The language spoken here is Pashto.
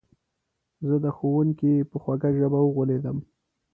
زه د ښوونکي په خوږه ژبه وغولېدم